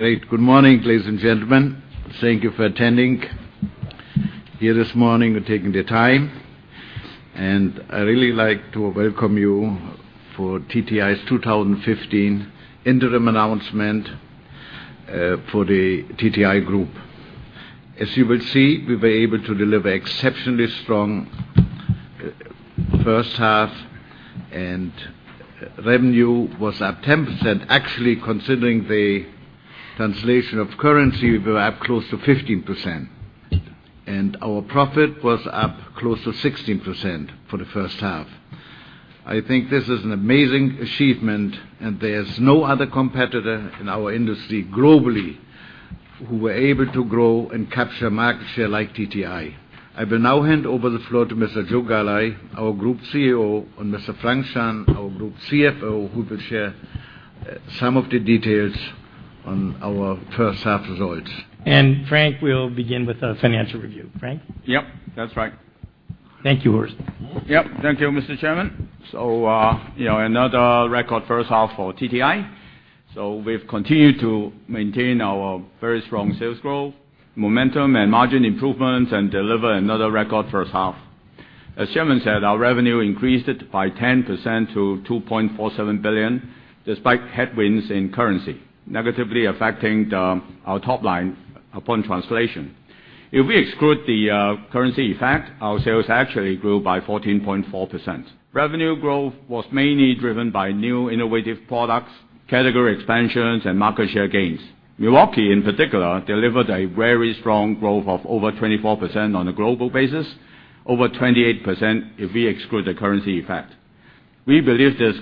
Great. Good morning, ladies and gentlemen. Thank you for attending here this morning and taking the time. I really like to welcome you for TTI's 2015 interim announcement for the TTI Group. As you will see, we were able to deliver exceptionally strong first half, revenue was up 10%. Actually, considering the translation of currency, we were up close to 15%. Our profit was up close to 16% for the first half. I think this is an amazing achievement, there's no other competitor in our industry globally who were able to grow and capture market share like TTI. I will now hand over the floor to Mr. Joe Galli, our Group CEO, and Mr. Frank Chan, our Group CFO, who will share some of the details on our first half results. Frank will begin with a financial review. Frank? Yep. That's right. Thank you, Horst. Yep. Thank you, Mr. Chairman. Another record first half for TTI. We've continued to maintain our very strong sales growth, momentum, and margin improvements, and deliver another record first half. As Chairman said, our revenue increased by 10% to $2.47 billion, despite headwinds in currency negatively affecting our top line upon translation. If we exclude the currency effect, our sales actually grew by 14.4%. Revenue growth was mainly driven by new innovative products, category expansions, and market share gains. Milwaukee, in particular, delivered a very strong growth of over 24% on a global basis, over 28% if we exclude the currency effect. We believe this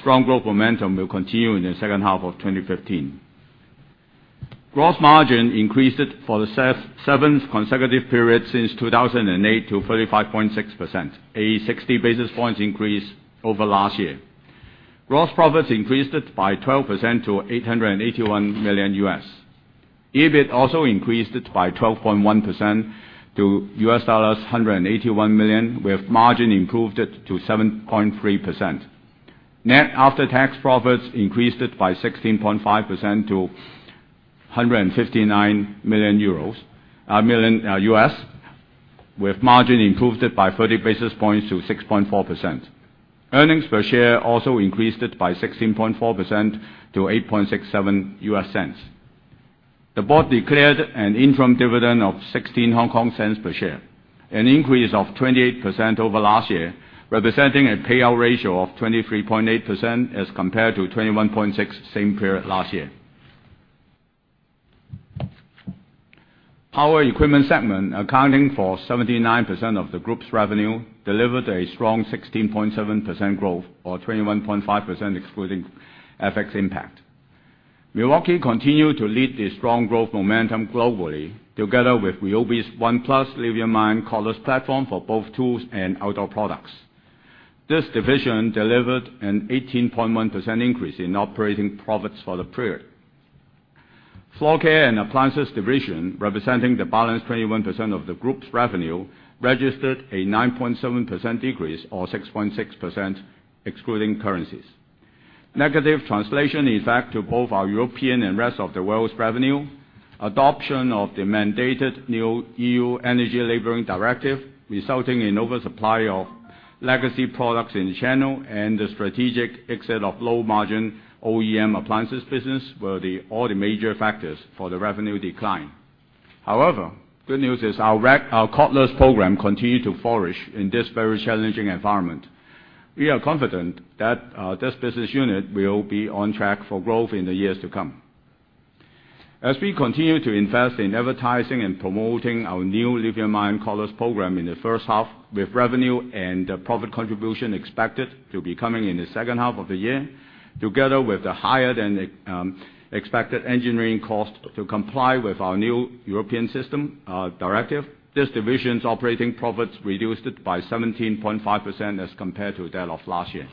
strong growth momentum will continue in the second half of 2015. Gross margin increased for the seventh consecutive period since 2008 to 35.6%, a 60 basis points increase over last year. Gross profits increased by 12% to $881 million. EBIT also increased by 12.1% to $181 million, with margin improved to 7.3%. Net after-tax profits increased by 16.5% to $159 million, with margin improved by 30 basis points to 6.4%. Earnings per share also increased by 16.4% to $0.0867. The board declared an interim dividend of 0.16 per share, an increase of 28% over last year, representing a payout ratio of 23.8% as compared to 21.6% same period last year. Power equipment segment, accounting for 79% of the group's revenue, delivered a strong 16.7% growth or 21.5% excluding FX impact. Milwaukee continued to lead the strong growth momentum globally, together with RYOBI's ONE+ cordless platform for both tools and outdoor products. This division delivered an 18.1% increase in operating profits for the period. Floor Care and Appliances division, representing the balance 21% of the group's revenue, registered a 9.7% decrease or 6.6% excluding currencies. Negative translation effect to both our European and rest of the world's revenue, adoption of the mandated new EU energy labelling directive, resulting in oversupply of legacy products in channel, and the strategic exit of low-margin OEM appliances business were all the major factors for the revenue decline. However, good news is our cordless program continued to flourish in this very challenging environment. We are confident that this business unit will be on track for growth in the years to come. We continue to invest in advertising and promoting our new Lithium cordless program in the first half, with revenue and profit contribution expected to be coming in the second half of the year, together with the higher-than-expected engineering cost to comply with our new European system directive. This division's operating profits reduced by 17.5% as compared to that of last year.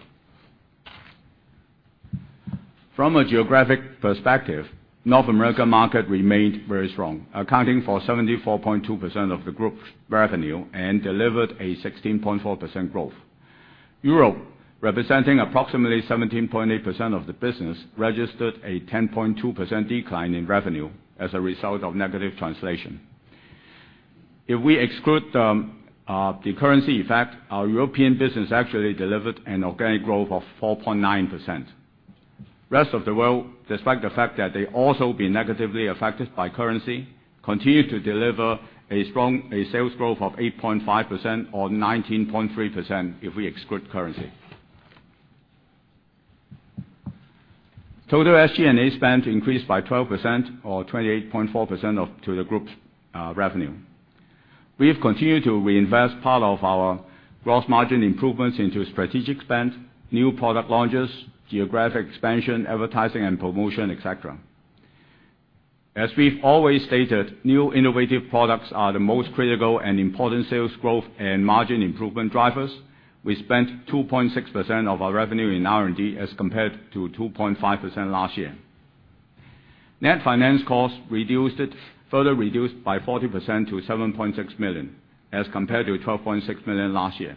From a geographic perspective, North America market remained very strong, accounting for 74.2% of the group's revenue and delivered a 16.4% growth. Europe, representing approximately 17.8% of the business, registered a 10.2% decline in revenue as a result of negative translation. If we exclude the currency effect, our European business actually delivered an organic growth of 4.9%. Rest of the world, despite the fact that they also been negatively affected by currency, continued to deliver a strong sales growth of 8.5% or 19.3% if we exclude currency. Total SG&A spend increased by 12% or 28.4% to the group's revenue. We've continued to reinvest part of our gross margin improvements into strategic spend, new product launches, geographic expansion, advertising and promotion, et cetera. As we've always stated, new innovative products are the most critical and important sales growth and margin improvement drivers. We spent 2.6% of our revenue in R&D as compared to 2.5% last year. Net finance cost further reduced by 40% to $7.6 million as compared to $12.6 million last year.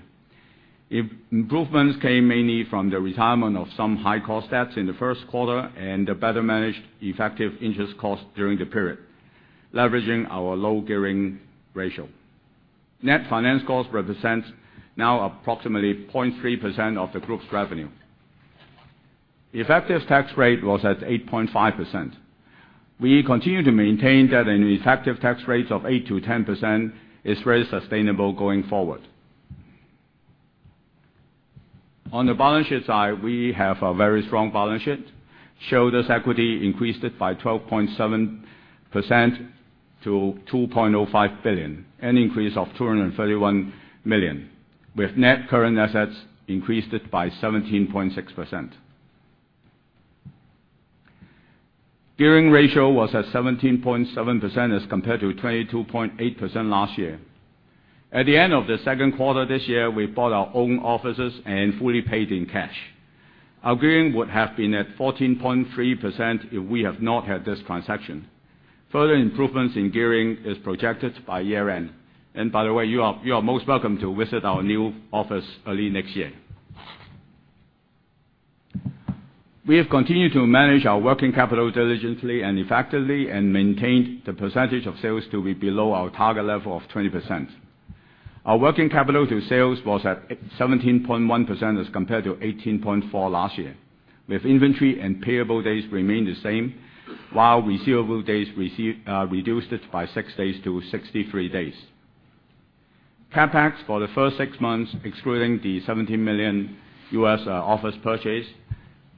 Improvements came mainly from the retirement of some high-cost debts in the first quarter and the better managed effective interest cost during the period, leveraging our low gearing ratio. Net finance cost represents now approximately 0.3% of the group's revenue. The effective tax rate was at 8.5%. We continue to maintain that an effective tax rate of 8%-10% is very sustainable going forward. On the balance sheet side, we have a very strong balance sheet. Shareholder's equity increased by 12.7% to $2.05 billion, an increase of $231 million, with net current assets increased by 17.6%. Gearing ratio was at 17.7% as compared to 22.8% last year. At the end of the second quarter this year, we bought our own offices and fully paid in cash. Our gearing would have been at 14.3% if we have not had this transaction. Further improvements in gearing is projected by year-end. By the way, you are most welcome to visit our new office early next year. We have continued to manage our working capital diligently and effectively and maintained the percentage of sales to be below our target level of 20%. Our working capital to sales was at 17.1% as compared to 18.4% last year. With inventory and payable days remain the same, while receivable days reduced by six days to 63 days. CapEx for the first six months, excluding the $17 million office purchase,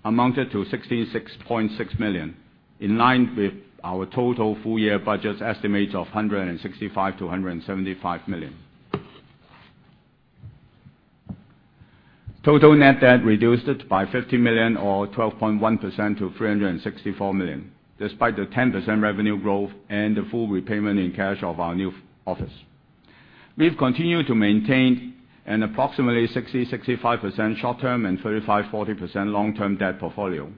amounted to $66.6 million, in line with our total full-year budget estimates of $165 million-$175 million. Total net debt reduced by $50 million or 12.1% to $364 million, despite the 10% revenue growth and the full repayment in cash of our new office. We've continued to maintain an approximately 60%-65% short-term and 35%-40% long-term debt portfolio.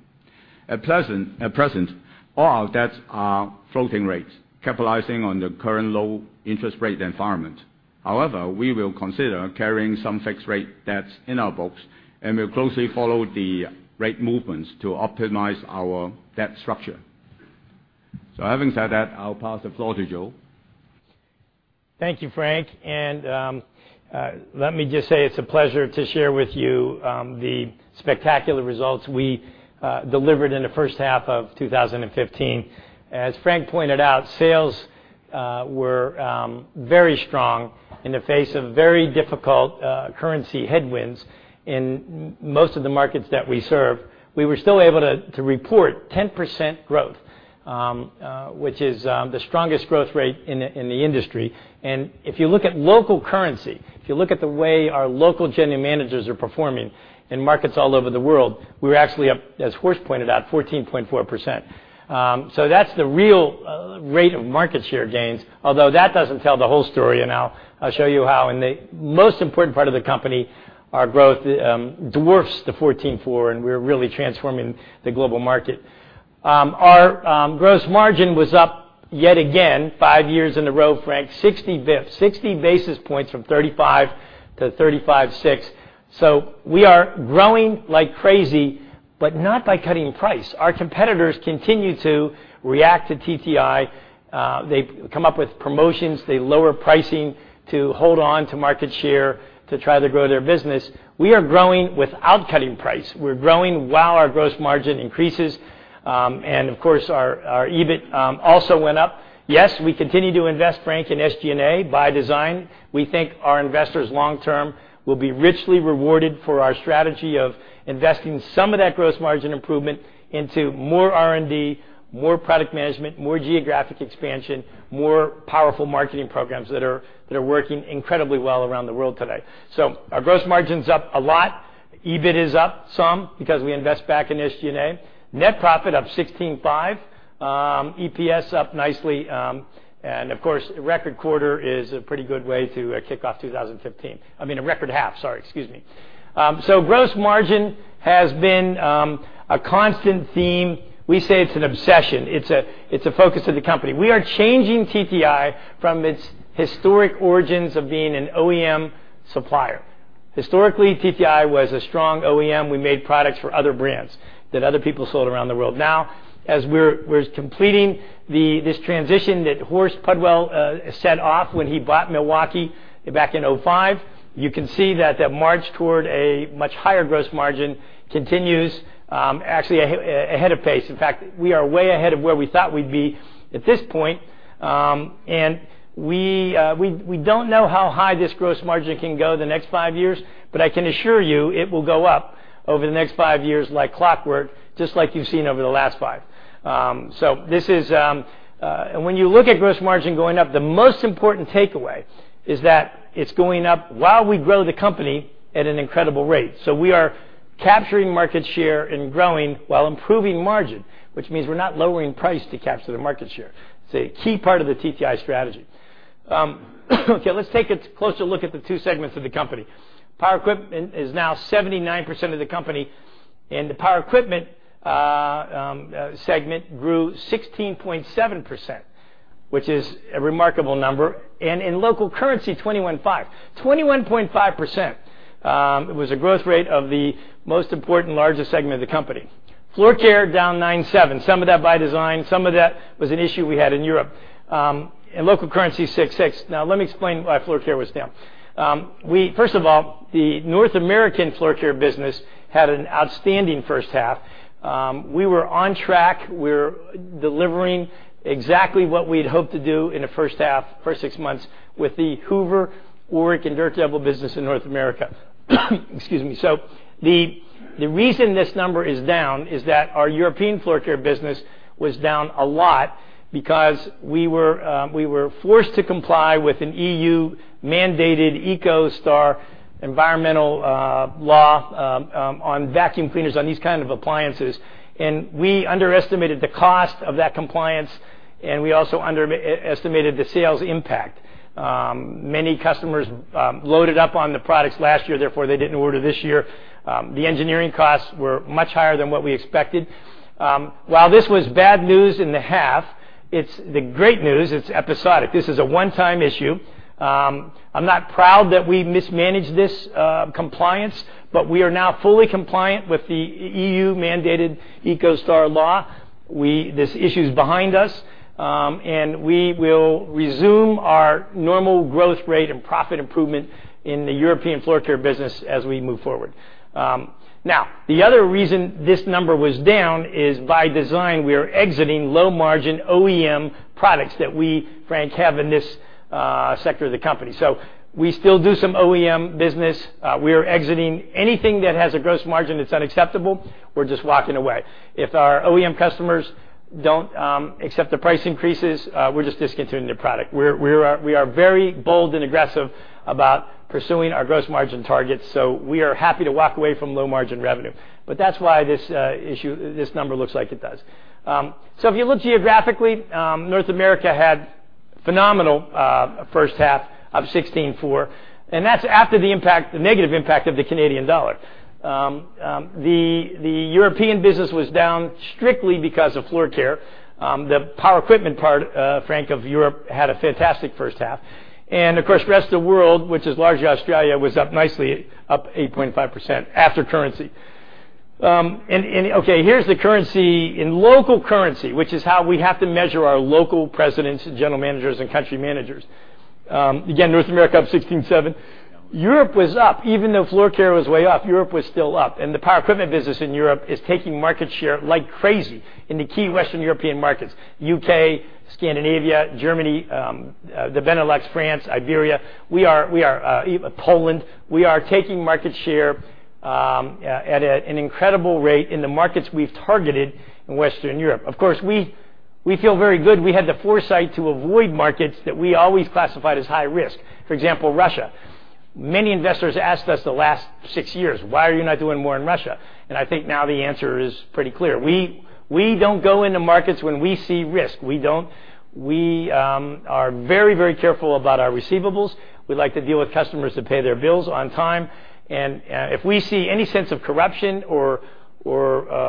At present, all our debts are floating rates, capitalizing on the current low interest rate environment. We will consider carrying some fixed-rate debts in our books, and we'll closely follow the rate movements to optimize our debt structure. Having said that, I'll pass the floor to Joe. Thank you, Frank, let me just say it's a pleasure to share with you the spectacular results we delivered in the first half of 2015. As Frank pointed out, sales were very strong in the face of very difficult currency headwinds in most of the markets that we serve. We were still able to report 10% growth, which is the strongest growth rate in the industry. If you look at local currency, if you look at the way our local general managers are performing in markets all over the world, we're actually up, as Horst pointed out, 14.4%. That's the real rate of market share gains, although that doesn't tell the whole story, and I'll show you how. In the most important part of the company, our growth dwarfs the 14.4%, and we're really transforming the global market. Our gross margin was up yet again, five years in a row, Frank, 60 basis points from 35% to 35.6%. We are growing like crazy, but not by cutting price. Our competitors continue to react to TTI. They come up with promotions. They lower pricing to hold on to market share to try to grow their business. We are growing without cutting price. We're growing while our gross margin increases. Of course, our EBIT also went up. Yes, we continue to invest, Frank, in SG&A by design. We think our investors long term will be richly rewarded for our strategy of investing some of that gross margin improvement into more R&D, more product management, more geographic expansion, more powerful marketing programs that are working incredibly well around the world today. Our gross margin's up a lot. EBIT is up some because we invest back in SG&A. Net profit up 16.5%. EPS up nicely. Of course, a record quarter is a pretty good way to kick off 2015. I mean a record half, sorry. Excuse me. Gross margin has been a constant theme. We say it's an obsession. It's a focus of the company. We are changing TTI from its historic origins of being an OEM supplier. Historically, TTI was a strong OEM. We made products for other brands that other people sold around the world. Now, as we're completing this transition that Horst Pudwill set off when he bought Milwaukee back in 2005, you can see that that march toward a much higher gross margin continues, actually ahead of pace. In fact, we are way ahead of where we thought we'd be at this point. We don't know how high this gross margin can go the next five years, but I can assure you it will go up over the next five years like clockwork, just like you've seen over the last five. When you look at gross margin going up, the most important takeaway is that it's going up while we grow the company at an incredible rate. We are capturing market share and growing while improving margin, which means we're not lowering price to capture the market share. It's a key part of the TTI strategy. Okay, let's take a closer look at the two segments of the company. Power equipment is now 79% of the company, and the power equipment segment grew 16.7%. Which is a remarkable number. In local currency, 21.5%. 21.5% was the growth rate of the most important, largest segment of the company. Floor care down 9.7%. Some of that by design, some of that was an issue we had in Europe. In local currency, 6.6%. Let me explain why floor care was down. First of all, the North American floor care business had an outstanding first half. We were on track. We were delivering exactly what we'd hoped to do in the first half, first six months, with the Hoover, Oreck, and Dirt Devil business in North America. Excuse me. The reason this number is down is that our European floor care business was down a lot because we were forced to comply with an EU-mandated Ecodesign environmental law on vacuum cleaners, on these kinds of appliances, and we underestimated the cost of that compliance, and we also underestimated the sales impact. Many customers loaded up on the products last year. Therefore, they didn't order this year. The engineering costs were much higher than what we expected. While this was bad news in the half, the great news, it's episodic. This is a one-time issue. I'm not proud that we mismanaged this compliance, but we are now fully compliant with the EU-mandated Ecodesign law. This issue's behind us, and we will resume our normal growth rate and profit improvement in the European floor care business as we move forward. The other reason this number was down is by design, we are exiting low-margin OEM products that we, Frank, have in this sector of the company. We still do some OEM business. We are exiting anything that has a gross margin that's unacceptable, we're just walking away. If our OEM customers don't accept the price increases, we're just discontinuing their product. We are very bold and aggressive about pursuing our gross margin targets. We are happy to walk away from low-margin revenue. That's why this number looks like it does. If you look geographically, North America had a phenomenal first half, up 16.4%, and that's after the negative impact of the Canadian dollar. The European business was down strictly because of floor care. The power equipment part, Frank, of Europe had a fantastic first half. Of course, the rest of the world, which is largely Australia, was up nicely, up 8.5% after currency. Here's the currency. In local currency, which is how we have to measure our local presidents and general managers and country managers. Again, North America up 16.7%. Europe was up. Even though floor care was way up, Europe was still up, and the power equipment business in Europe is taking market share like crazy in the key Western European markets: U.K., Scandinavia, Germany, the Benelux, France, Iberia, Poland. We are taking market share at an incredible rate in the markets we've targeted in Western Europe. Of course, we feel very good. We had the foresight to avoid markets that we always classified as high risk. For example, Russia. Many investors asked us the last six years, "Why are you not doing more in Russia?" I think now the answer is pretty clear. We don't go into markets when we see risk. We don't. We are very careful about our receivables. We like to deal with customers that pay their bills on time. If we see any sense of corruption or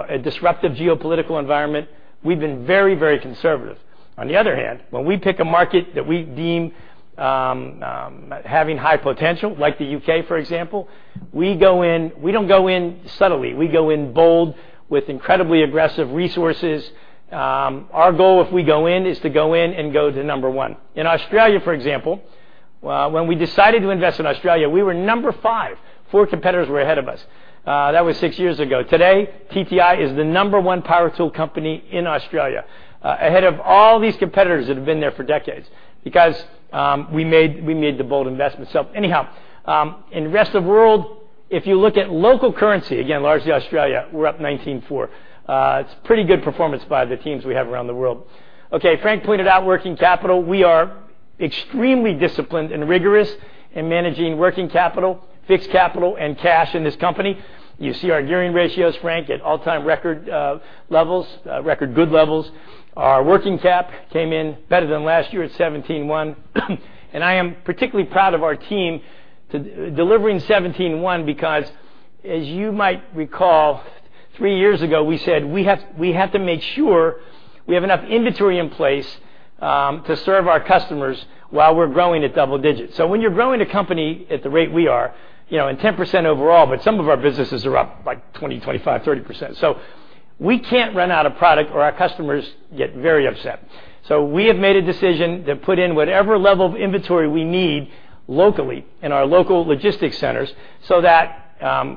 a disruptive geopolitical environment, we've been very conservative. On the other hand, when we pick a market that we deem having high potential, like the U.K., for example, we don't go in subtly. We go in bold with incredibly aggressive resources. Our goal, if we go in, is to go in and go to number one. In Australia, for example, when we decided to invest in Australia, we were number five. Four competitors were ahead of us. That was six years ago. Today, TTI is the number one power tool company in Australia, ahead of all these competitors that have been there for decades because we made the bold investment. Anyhow, in the rest of the world, if you look at local currency, again, largely Australia, we're up 19.4%. It's pretty good performance by the teams we have around the world. Okay, Frank pointed out working capital. We are extremely disciplined and rigorous in managing working capital, fixed capital, and cash in this company. You see our gearing ratios, Frank, at all-time record levels, record good levels. Our working cap came in better than last year at 17.1%. I am particularly proud of our team delivering 17.1% because, as you might recall, three years ago, we said we have to make sure we have enough inventory in place to serve our customers while we're growing at double digits. When you're growing a company at the rate we are, 10% overall, but some of our businesses are up by 20%, 25%, 30%. We can't run out of product or our customers get very upset. We have made a decision to put in whatever level of inventory we need locally in our local logistics centers so that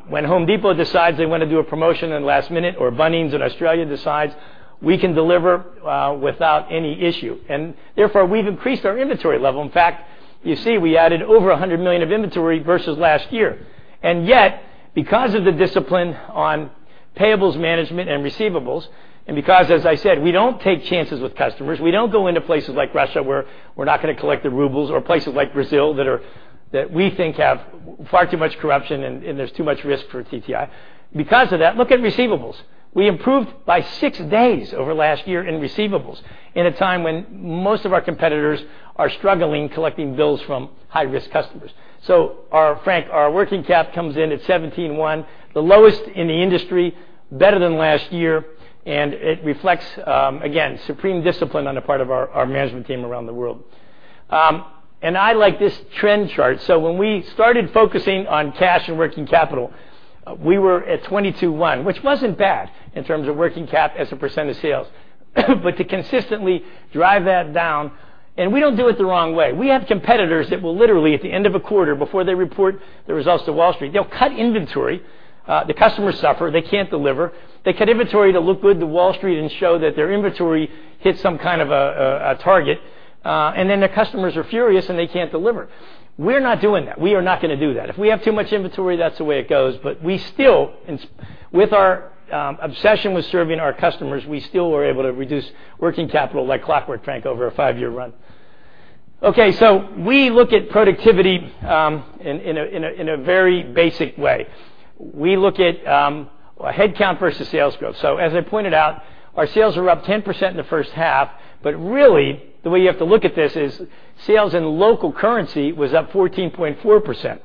when Home Depot decides they want to do a promotion in last minute or Bunnings in Australia decides, we can deliver without any issue. Therefore, we've increased our inventory level. In fact, you see we added over $100 million of inventory versus last year. Yet, because of the discipline on payables management and receivables, and because, as I said, we don't take chances with customers. We don't go into places like Russia where we're not going to collect the rubles or places like Brazil that we think have far too much corruption and there's too much risk for TTI. Because of that, look at receivables. We improved by six days over last year in receivables in a time when most of our competitors are struggling collecting bills from high-risk customers. Frank, our working cap comes in at 17.1%, the lowest in the industry, better than last year, and it reflects, again, supreme discipline on the part of our management team around the world. I like this trend chart. When we started focusing on cash and working capital, we were at 22.1%, which wasn't bad in terms of working cap as a percent of sales. To consistently drive that down. We don't do it the wrong way. We have competitors that will literally, at the end of a quarter, before they report the results to Wall Street, they'll cut inventory. The customers suffer. They can't deliver. They cut inventory to look good to Wall Street and show that their inventory hit some kind of a target, their customers are furious, and they can't deliver. We're not doing that. We are not going to do that. If we have too much inventory, that's the way it goes. With our obsession with serving our customers, we still were able to reduce working capital like clockwork, Frank, over a five-year run. Okay. We look at productivity in a very basic way. We look at headcount versus sales growth. As I pointed out, our sales were up 10% in the first half, but really, the way you have to look at this is sales in local currency was up 14.4%,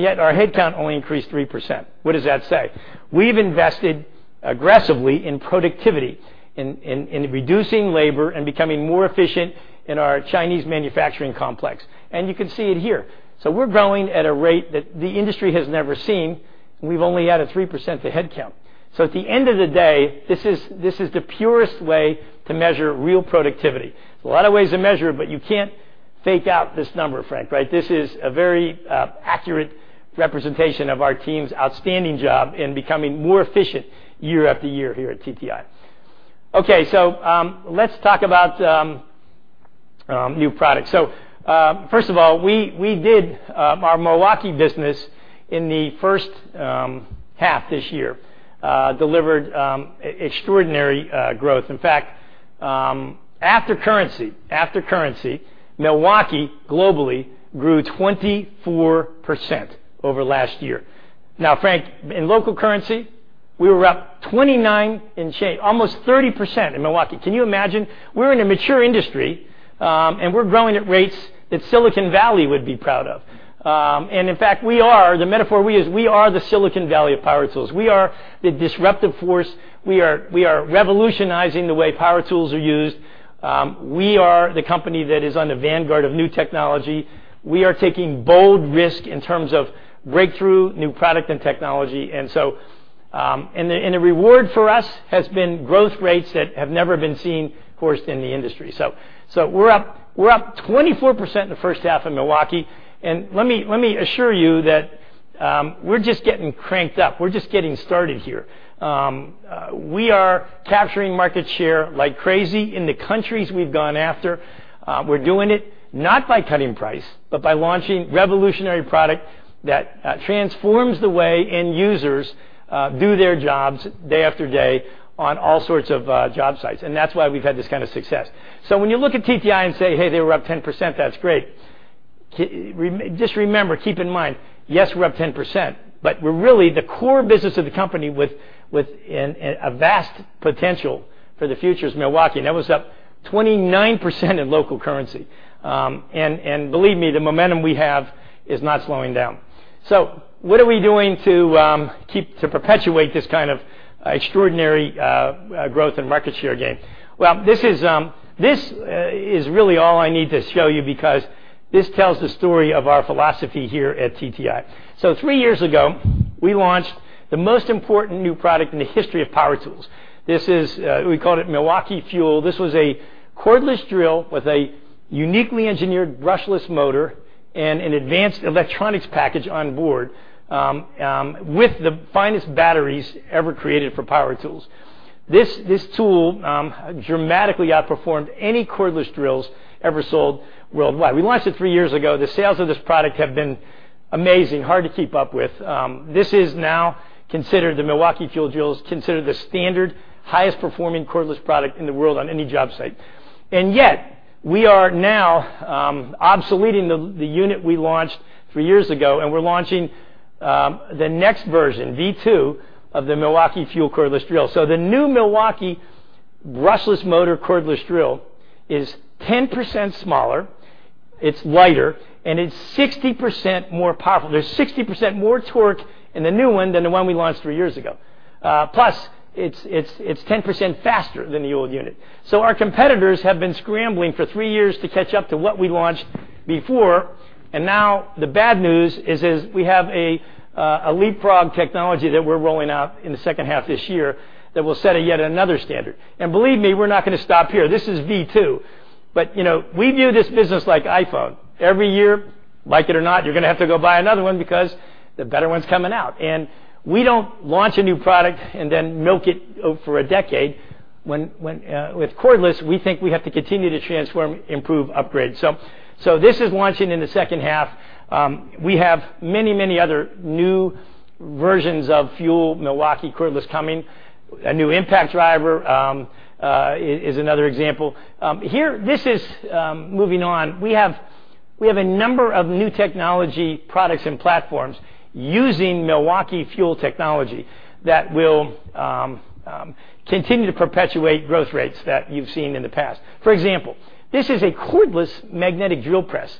yet our headcount only increased 3%. What does that say? We've invested aggressively in productivity, in reducing labor, and becoming more efficient in our Chinese manufacturing complex. You can see it here. We're growing at a rate that the industry has never seen. We've only had a 3% to headcount. At the end of the day, this is the purest way to measure real productivity. There's a lot of ways to measure it, you can't fake out this number, Frank, right? This is a very accurate representation of our team's outstanding job in becoming more efficient year after year here at TTI. Okay. Let's talk about new products. First of all, our Milwaukee business in the first half this year delivered extraordinary growth. In fact, after currency, Milwaukee globally grew 24% over last year. Now, Frank, in local currency, we were up 29, almost 30% in Milwaukee. Can you imagine? We're in a mature industry, and we're growing at rates that Silicon Valley would be proud of. In fact, we are. The metaphor we use, we are the Silicon Valley of power tools. We are the disruptive force. We are revolutionizing the way power tools are used. We are the company that is on the vanguard of new technology. We are taking bold risks in terms of breakthrough new product and technology. The reward for us has been growth rates that have never been seen, of course, in the industry. We're up 24% in the first half of Milwaukee. Let me assure you that we're just getting cranked up. We're just getting started here. We are capturing market share like crazy in the countries we've gone after. We're doing it not by cutting price, but by launching revolutionary product that transforms the way end users do their jobs day after day on all sorts of job sites. That's why we've had this kind of success. When you look at TTI and say, "Hey, they were up 10%, that's great," just remember, keep in mind, yes, we're up 10%, but really the core business of the company with a vast potential for the future is Milwaukee. That was up 29% in local currency. Believe me, the momentum we have is not slowing down. What are we doing to perpetuate this kind of extraordinary growth and market share gain? Well, this is really all I need to show you because this tells the story of our philosophy here at TTI. Three years ago, we launched the most important new product in the history of power tools. We called it Milwaukee FUEL. This was a cordless drill with a uniquely engineered brushless motor and an advanced electronics package on board with the finest batteries ever created for power tools. This tool dramatically outperformed any cordless drills ever sold worldwide. We launched it three years ago. The sales of this product have been amazing, hard to keep up with. The Milwaukee FUEL drill is considered the standard highest performing cordless product in the world on any job site. Yet we are now obsoleting the unit we launched three years ago, and we're launching the next version, V2, of the Milwaukee FUEL cordless drill. The new Milwaukee brushless motor cordless drill is 10% smaller, it's lighter, and it's 60% more powerful. There's 60% more torque in the new one than the one we launched three years ago. It's 10% faster than the old unit. Our competitors have been scrambling for three years to catch up to what we launched before. Now the bad news is we have a leapfrog technology that we're rolling out in the second half this year that will set yet another standard. Believe me, we're not going to stop here. This is V2. We view this business like iPhone. Every year, like it or not, you're going to have to go buy another one because the better one's coming out. We don't launch a new product and then milk it for a decade. With cordless, we think we have to continue to transform, improve, upgrade. This is launching in the second half. We have many, many other new versions of FUEL Milwaukee cordless coming, a new impact driver is another example. Moving on, we have a number of new technology products and platforms using Milwaukee FUEL technology that will continue to perpetuate growth rates that you've seen in the past. For example, this is a cordless magnetic drill press.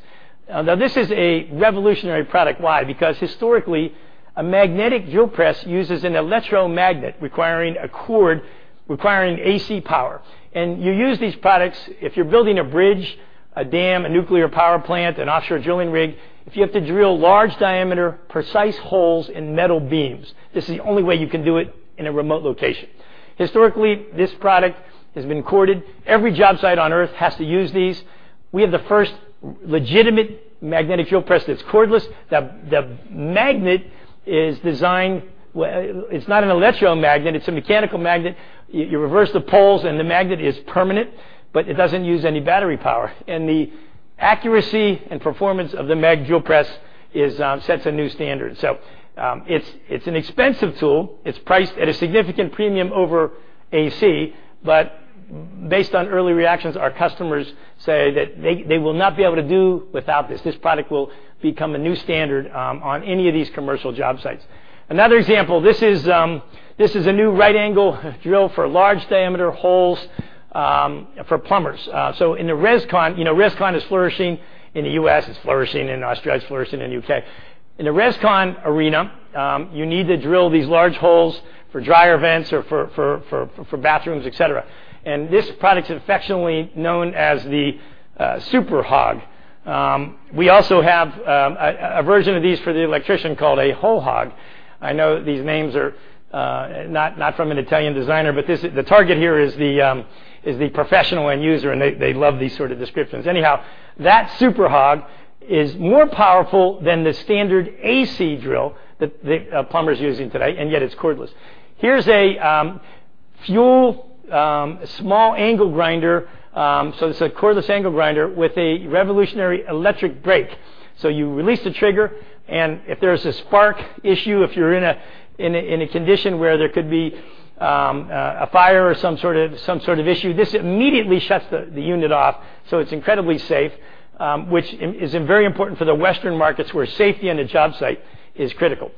Now, this is a revolutionary product. Why? Because historically, a magnetic drill press uses an electromagnet requiring a cord, requiring AC power. You use these products if you're building a bridge, a dam, a nuclear power plant, an offshore drilling rig. If you have to drill large diameter, precise holes in metal beams, this is the only way you can do it in a remote location. Historically, this product has been corded. Every job site on Earth has to use these. We have the first legitimate magnetic drill press that's cordless. The magnet is designed. It's not an electromagnet. It's a mechanical magnet. You reverse the poles, the magnet is permanent, but it doesn't use any battery power. The accuracy and performance of the mag drill press sets a new standard. It's an expensive tool. It's priced at a significant premium over AC, based on early reactions, our customers say that they will not be able to do without this. This product will become a new standard on any of these commercial job sites. Another example, this is a new right-angle drill for large diameter holes for plumbers. In the res-con, res-con is flourishing in the U.S., it's flourishing in Australia, it's flourishing in the U.K. In the res-con arena, you need to drill these large holes for dryer vents or for bathrooms, et cetera. This product is affectionately known as the Super Hawg. We also have a version of these for the electrician called a Hole Hawg. I know these names are not from an Italian designer, the target here is the professional end user, and they love these sort of descriptions. That Super Hawg is more powerful than the standard AC drill that plumbers are using today, and yet it's cordless. Here's a FUEL small angle grinder. This is a cordless angle grinder with a revolutionary electric brake. You release the trigger, and if there's a spark issue, if you're in a condition where there could be a fire or some sort of issue, this immediately shuts the unit off. It's incredibly safe, which is very important for the Western markets where safety on a job site is critical.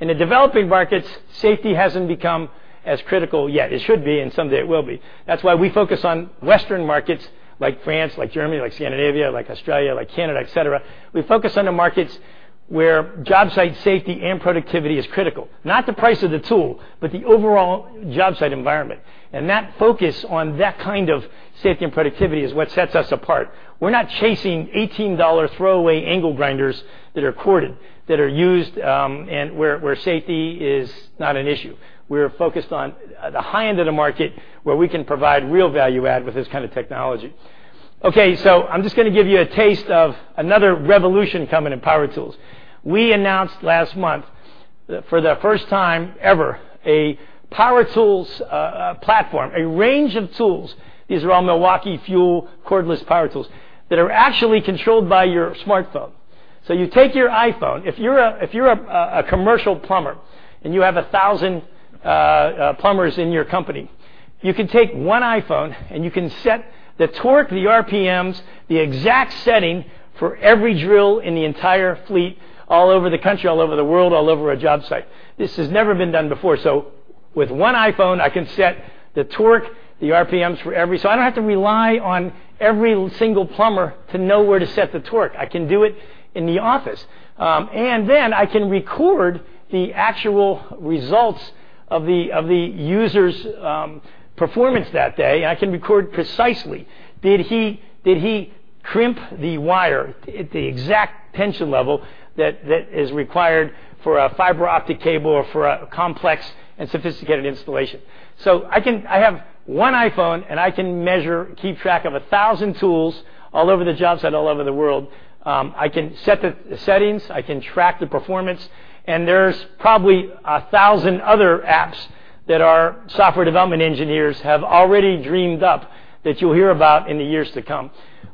In the developing markets, safety hasn't become as critical yet. It should be, and someday it will be. We focus on Western markets like France, like Germany, like Scandinavia, like Australia, like Canada, et cetera. We focus on the markets where job site safety and productivity is critical. Not the price of the tool, but the overall job site environment. That focus on that kind of safety and productivity is what sets us apart. We're not chasing $18 throwaway angle grinders that are corded, that are used and where safety is not an issue. We're focused on the high end of the market where we can provide real value add with this kind of technology. I'm just going to give you a taste of another revolution coming in power tools. We announced last month, for the first time ever, a power tools platform, a range of tools. These are all Milwaukee FUEL cordless power tools that are actually controlled by your smartphone. You take your iPhone. If you're a commercial plumber and you have 1,000 plumbers in your company, you can take one iPhone, and you can set the torque, the RPMs, the exact setting for every drill in the entire fleet, all over the country, all over the world, all over a job site. This has never been done before. With one iPhone, I can set the torque, the RPMs for every. I don't have to rely on every single plumber to know where to set the torque. I can do it in the office. I can record the actual results of the user's performance that day, and I can record precisely. Did he crimp the wire at the exact tension level that is required for a fiber optic cable or for a complex and sophisticated installation? I have one iPhone, and I can measure, keep track of 1,000 tools all over the job site, all over the world. I can set the settings. I can track the performance. There's probably 1,000 other apps that our software development engineers have already dreamed up that you'll hear about in the years to come.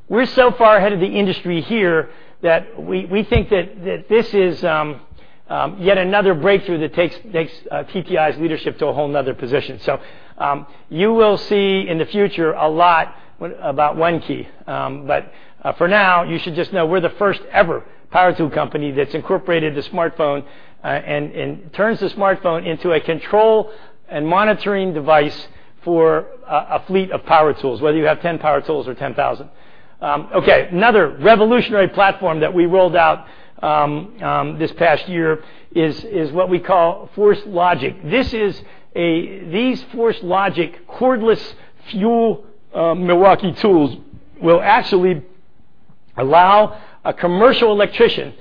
We're so far ahead of the industry here that we think that this is yet another breakthrough that takes TTI's leadership to a whole another position. You will see in the future a lot about ONE-KEY. You should just know we're the first ever power tool company that's incorporated the smartphone and turns the smartphone into a control and monitoring device for a fleet of power tools, whether you have 10 power tools or 10,000. Okay, another revolutionary platform that we rolled out this past year is what we call FORCE LOGIC. These FORCE LOGIC cordless FUEL Milwaukee tools will actually allow a commercial electrician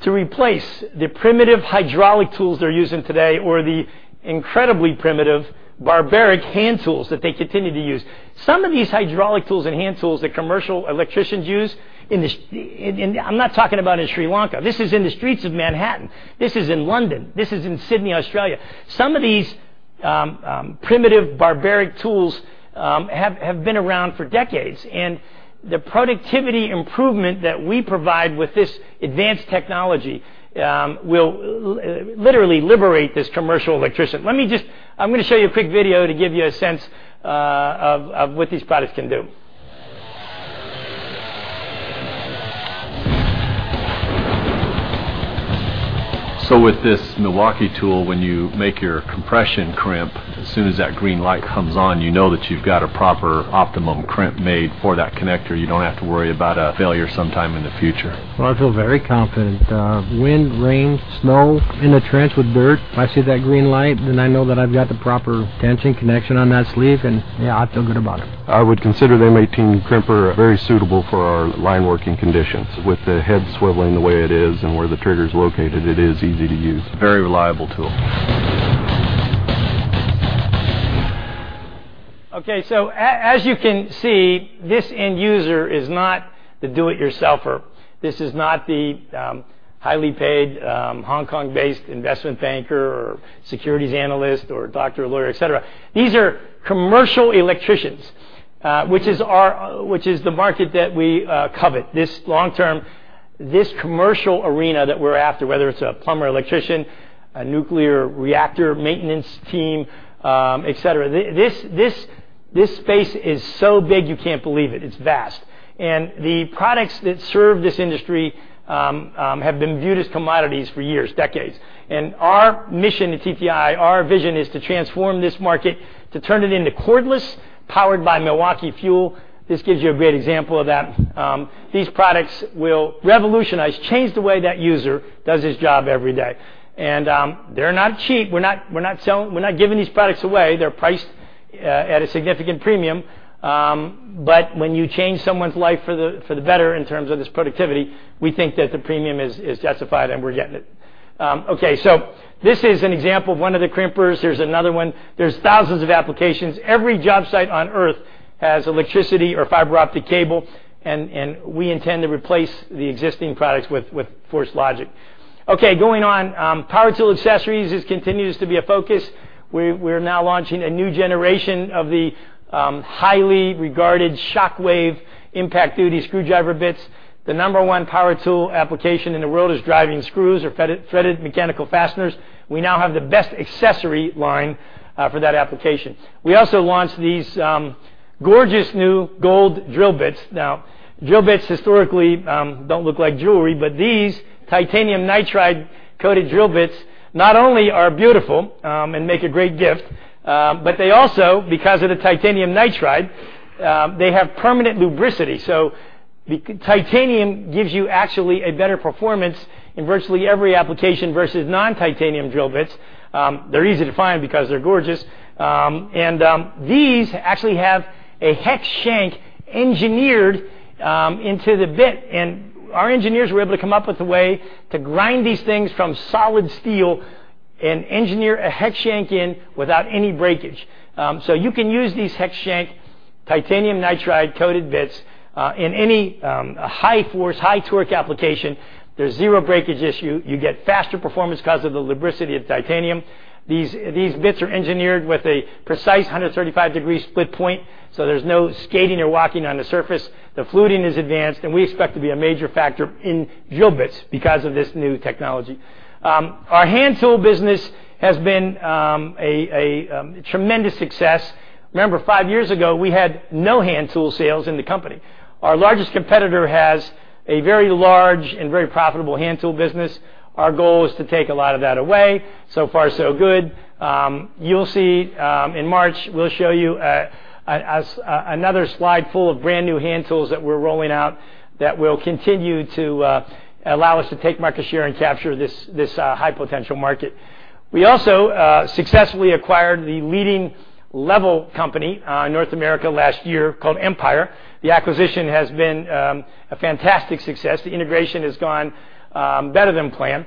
to replace the primitive hydraulic tools they're using today or the incredibly primitive, barbaric hand tools that they continue to use. Some of these hydraulic tools and hand tools that commercial electricians use. I'm not talking about in Sri Lanka. This is in the streets of Manhattan. This is in London. This is in Sydney, Australia. Some of these primitive, barbaric tools have been around for decades, and the productivity improvement that we provide with this advanced technology will literally liberate this commercial electrician. I'm going to show you a quick video to give you a sense of what these products can do. With this Milwaukee tool, when you make your compression crimp, as soon as that green light comes on, you know that you've got a proper optimum crimp made for that connector. You don't have to worry about a failure sometime in the future. Well, I feel very confident. Wind, rain, snow, in the trench with dirt. If I see that green light, then I know that I've got the proper tension connection on that sleeve, and yeah, I feel good about it. I would consider the M18 crimper very suitable for our lineworking conditions. With the head swiveling the way it is and where the trigger's located, it is easy to use. Very reliable tool. Okay, as you can see, this end user is not the do-it-yourselfer. This is not the highly paid Hong Kong-based investment banker or securities analyst or doctor or lawyer, et cetera. These are commercial electricians, which is the market that we covet. This long-term, this commercial arena that we're after, whether it's a plumber, electrician, a nuclear reactor maintenance team, et cetera, this space is so big, you can't believe it. It's vast. The products that serve this industry have been viewed as commodities for years, decades. Our mission at TTI, our vision is to transform this market, to turn it into cordless, powered by Milwaukee FUEL. This gives you a great example of that. These products will revolutionize, change the way that user does his job every day. They're not cheap. We're not giving these products away. They're priced at a significant premium. When you change someone's life for the better in terms of this productivity, we think that the premium is justified, and we're getting it. Okay, this is an example of one of the crimpers. Here's another one. There's thousands of applications. Every job site on Earth has electricity or fiber optic cable, we intend to replace the existing products with FORCE LOGIC. Okay, going on. Power tool accessories continues to be a focus. We're now launching a new generation of the highly regarded SHOCKWAVE impact duty screwdriver bits. The number one power tool application in the world is driving screws or threaded mechanical fasteners. We now have the best accessory line for that application. We also launched these gorgeous new gold drill bits. Now, drill bits historically don't look like jewelry, these titanium nitride-coated drill bits not only are beautiful and make a great gift, but they also, because of the titanium nitride, they have permanent lubricity. The titanium gives you actually a better performance in virtually every application versus non-titanium drill bits. They're easy to find because they're gorgeous. These actually have a hex shank engineered into the bit. Our engineers were able to come up with a way to grind these things from solid steel and engineer a hex shank in without any breakage. You can use these hex shank titanium nitride-coated bits in any high force, high torque application. There's zero breakage issue. You get faster performance because of the lubricity of titanium. These bits are engineered with a precise 135-degree split point, so there's no skating or walking on the surface. The fluting is advanced. We expect to be a major factor in drill bits because of this new technology. Our hand tool business has been a tremendous success. Remember, five years ago, we had no hand tool sales in the company. Our largest competitor has a very large and very profitable hand tool business. Our goal is to take a lot of that away. So far, so good. You'll see in March, we'll show you another slide full of brand-new hand tools that we're rolling out that will continue to allow us to take market share and capture this high-potential market. We also successfully acquired the leading level company in North America last year called Empire. The acquisition has been a fantastic success. The integration has gone better than planned.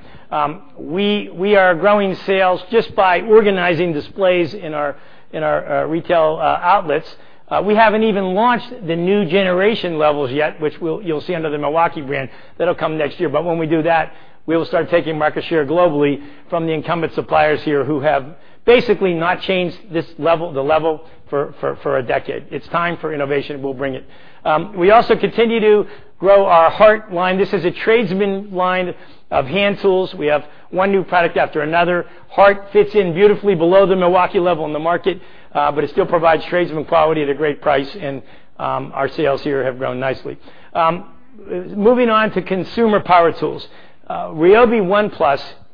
We are growing sales just by organizing displays in our retail outlets. We haven't even launched the new generation levels yet, which you'll see under the Milwaukee brand. That'll come next year. When we do that, we will start taking market share globally from the incumbent suppliers here who have basically not changed the level for a decade. It's time for innovation. We'll bring it. We also continue to grow our HART line. This is a tradesman line of hand tools. We have one new product after another. HART fits in beautifully below the Milwaukee level in the market, but it still provides tradesman quality at a great price. Our sales here have grown nicely. Moving on to consumer power tools. RYOBI ONE+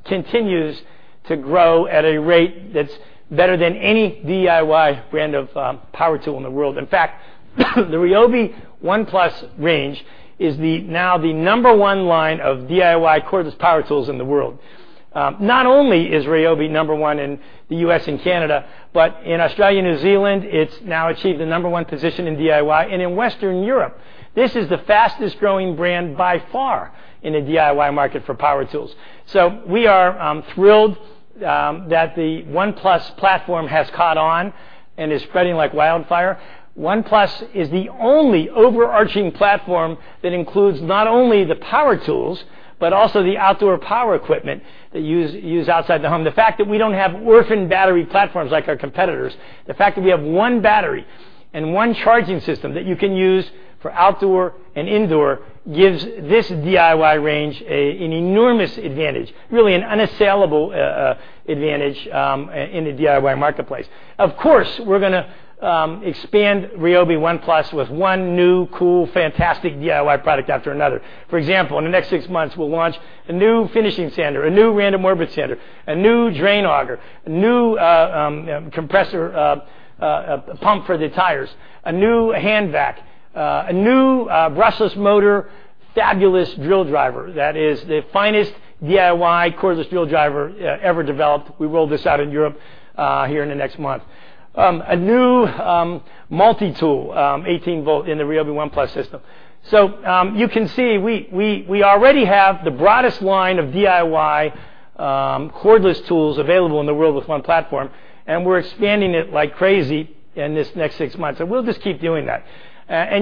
continues to grow at a rate that's better than any DIY brand of power tool in the world. In fact, the RYOBI ONE+ range is now the number 1 line of DIY cordless power tools in the world. Not only is RYOBI number 1 in the U.S. and Canada, but in Australia and New Zealand, it's now achieved the number 1 position in DIY and in Western Europe. This is the fastest-growing brand by far in the DIY market for power tools. We are thrilled that the ONE+ platform has caught on and is spreading like wildfire. ONE+ is the only overarching platform that includes not only the power tools, but also the outdoor power equipment that you use outside the home. The fact that we don't have orphan battery platforms like our competitors, the fact that we have one battery and one charging system that you can use for outdoor and indoor, gives this DIY range an enormous advantage, really an unassailable advantage in the DIY marketplace. Of course, we're going to expand RYOBI ONE+ with one new, cool, fantastic DIY product after another. For example, in the next six months, we'll launch a new finishing sander, a new random orbit sander, a new drain auger, a new compressor pump for the tires, a new hand vac, a new brushless motor, fabulous drill driver that is the finest DIY cordless drill driver ever developed. We roll this out in Europe here in the next month. A new multi-tool, 18V in the RYOBI ONE+ system. You can see we already have the broadest line of DIY cordless tools available in the world with one platform, we're expanding it like crazy in this next six months, and we'll just keep doing that.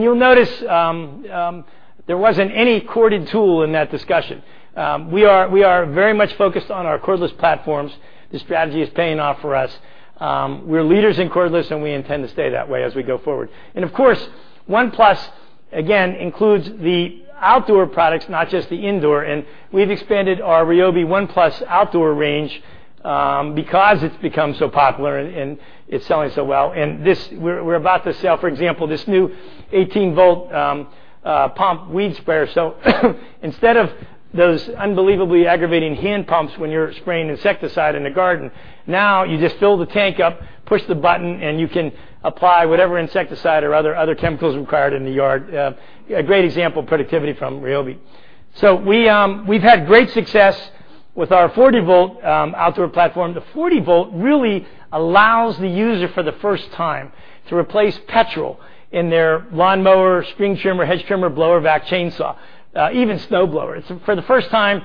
You'll notice there wasn't any corded tool in that discussion. We are very much focused on our cordless platforms. The strategy is paying off for us. We're leaders in cordless, and we intend to stay that way as we go forward. Of course, ONE+ again includes the outdoor products, not just the indoor, and we've expanded our RYOBI ONE+ outdoor range because it's become so popular and it's selling so well. We're about to sell, for example, this new 18-volt pump weed sprayer. Instead of those unbelievably aggravating hand pumps when you're spraying insecticide in the garden, now you just fill the tank up, push the button, and you can apply whatever insecticide or other chemicals required in the yard. A great example of productivity from RYOBI. We've had great success with our 40-volt outdoor platform. The 40 volt really allows the user, for the first time, to replace petrol in their lawnmower, string trimmer, hedge trimmer, blower vac, chainsaw, even snowblower. For the first time,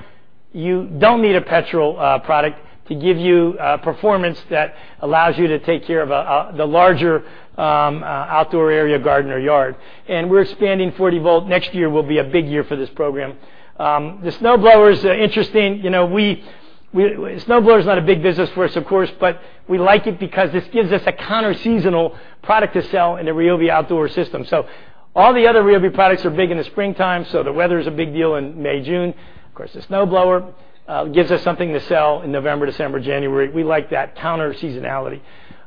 you don't need a petrol product to give you performance that allows you to take care of the larger outdoor area, garden or yard. We're expanding 40 volt. Next year will be a big year for this program. The snowblower is interesting. Snowblower is not a big business for us, of course, but we like it because this gives us a counter seasonal product to sell in the RYOBI outdoor system. All the other RYOBI products are big in the springtime, the weather is a big deal in May, June. Of course, the snowblower gives us something to sell in November, December, January. We like that counter seasonality.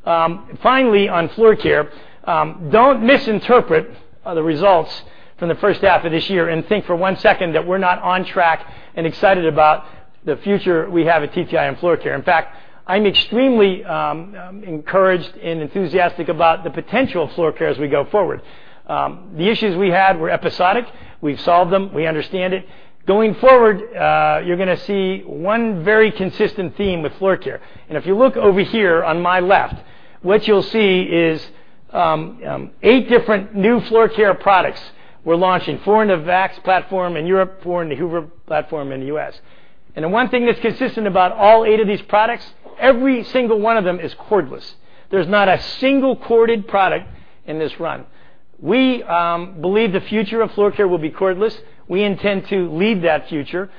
Finally, on floor care, don't misinterpret the results from the first half of this year and think for one second that we're not on track and excited about the future we have at TTI and floor care. In fact, I'm extremely encouraged and enthusiastic about the potential of floor care as we go forward. The issues we had were episodic. We've solved them. We understand it. Going forward, you're going to see one very consistent theme with floor care. If you look over here on my left, what you'll see is eight different new floor care products we're launching. Four in the VAX platform in Europe, four in the Hoover platform in the U.S. The one thing that's consistent about all eight of these products, every single one of them is cordless. There's not a single corded product in this run. We believe the future of floor care will be cordless. We intend to lead that future.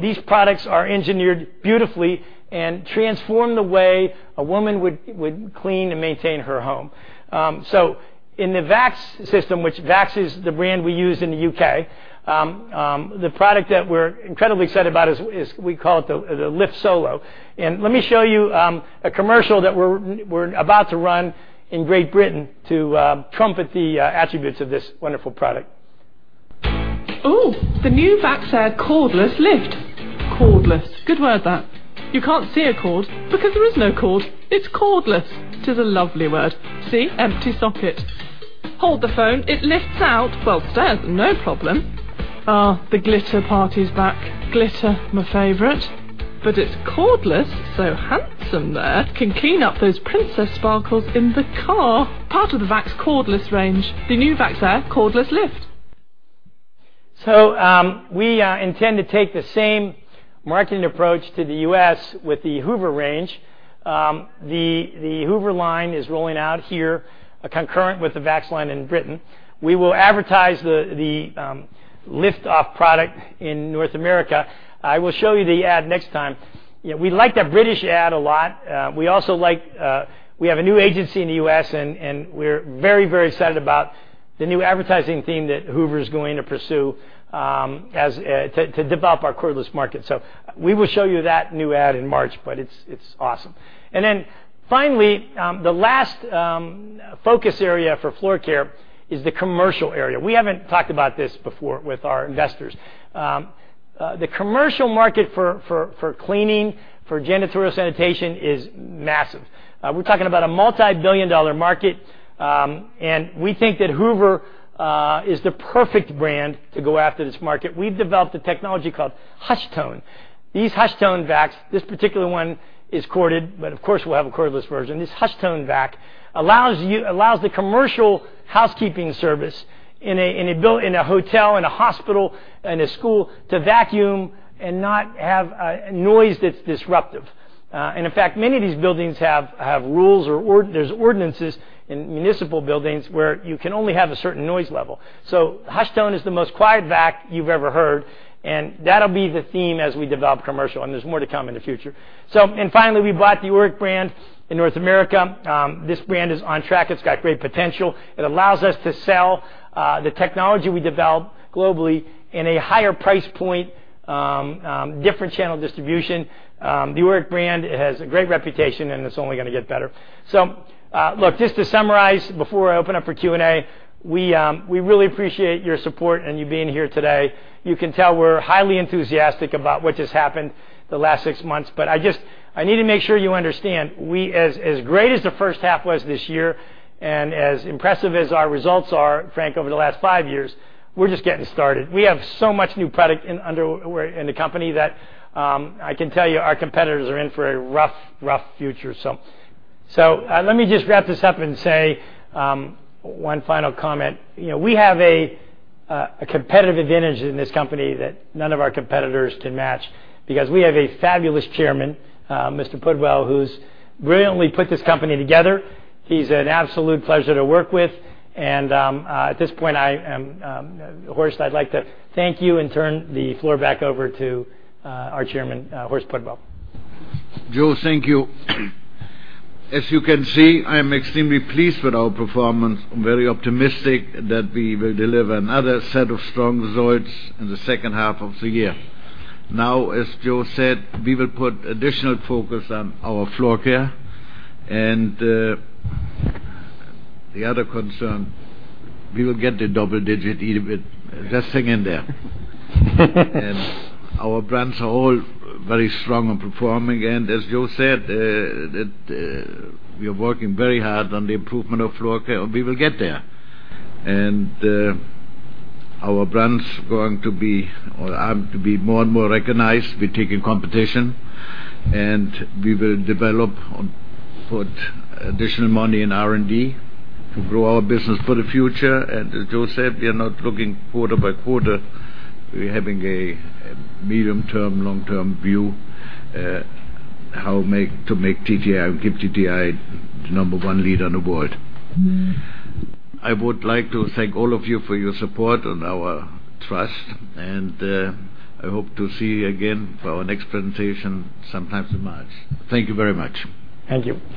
These products are engineered beautifully and transform the way a woman would clean and maintain her home. In the VAX system, which VAX is the brand we use in the U.K., the product that we're incredibly excited about is, we call it the Lift Solo. Let me show you a commercial that we're about to run in Great Britain to trumpet the attributes of this wonderful product. The new VAX Air Cordless Lift. Cordless. Good word, that. You can't see a cord because there is no cord. It's cordless. It is a lovely word. See, empty socket. Hold the phone. It lifts out. 12 stairs, no problem. The glitter party's back. Glitter, my favorite. It's cordless, handsome there can clean up those princess sparkles in the car. Part of the VAX cordless range, the new VAX Air Cordless Lift. We intend to take the same marketing approach to the U.S. with the Hoover range. The Hoover line is rolling out here, concurrent with the VAX line in Britain. We will advertise the Lift-Off product in North America. I will show you the ad next time. We like that British ad a lot. We have a new agency in the U.S., and we're very excited about the new advertising theme that Hoover is going to pursue to develop our cordless market. We will show you that new ad in March, it's awesome. Finally, the last focus area for floor care is the commercial area. We haven't talked about this before with our investors. The commercial market for cleaning, for janitorial sanitation is massive. We're talking about a multi-billion-dollar market, and we think that Hoover is the perfect brand to go after this market. We've developed a technology called HushTone. These HushTone vacs, this particular one is corded, of course, we'll have a cordless version. This HushTone vac allows the commercial housekeeping service in a hotel, in a hospital, in a school, to vacuum and not have noise that's disruptive. In fact, many of these buildings have rules or there's ordinances in municipal buildings where you can only have a certain noise level. HushTone is the most quiet vac you've ever heard, that'll be the theme as we develop commercial, there's more to come in the future. Finally, we bought the Oreck brand in North America. This brand is on track. It's got great potential. It allows us to sell the technology we develop globally in a higher price point, different channel distribution. The Oreck brand has a great reputation, and it's only going to get better. Look, just to summarize before I open up for Q&A, we really appreciate your support and you being here today. You can tell we're highly enthusiastic about what just happened the last six months. I need to make sure you understand, as great as the first half was this year, and as impressive as our results are, Frank, over the last five years, we're just getting started. We have so much new product in the company that I can tell you our competitors are in for a rough future. Let me just wrap this up and say one final comment. We have a competitive advantage in this company that none of our competitors can match because we have a fabulous chairman, Mr. Pudwill, who's brilliantly put this company together. He's an absolute pleasure to work with. At this point, Horst, I'd like to thank you and turn the floor back over to our chairman, Horst Pudwill. Joe, thank you. As you can see, I am extremely pleased with our performance. I'm very optimistic that we will deliver another set of strong results in the second half of the year. Now, as Joe said, we will put additional focus on our floor care. The other concern, we will get the double-digit EBIT. Just hang in there. Our brands are all very strong and performing. As Joe said, that we are working very hard on the improvement of floor care, and we will get there. Our brands are going to be, or are to be more and more recognized. We're taking competition, and we will develop and put additional money in R&D to grow our business for the future. As Joe said, we are not looking quarter by quarter. We're having a medium-term, long-term view, how to make TTI, and keep TTI the number one lead in the world. I would like to thank all of you for your support and our trust, and I hope to see you again for our next presentation sometime in March. Thank you very much. Thank you.